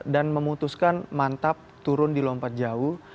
dan memutuskan mantap turun di lompat jauh